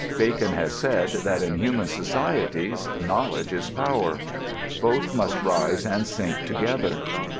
Bacon has said that, in human societies, knowledge is power. Both must rise and sink together.